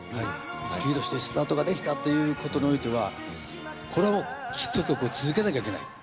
五木ひろしとしてスタートができたっていうことにおいてはこれはもうヒット曲を続けなきゃいけない。